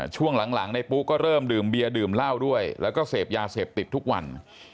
ช่วงหลังในปุ๊ก็เริ่มดื่มเบียร์ดื่มเหล้าด้วยแล้วก็เสพยาเสพติดทุกวัน